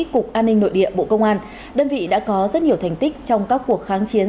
cục an ninh nội địa bộ công an đơn vị đã có rất nhiều thành tích trong các cuộc kháng chiến